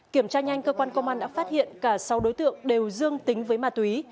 kiểm tra nhanh cơ quan công an đã phát hiện cả sáu đối tượng đều dương tính với ma túy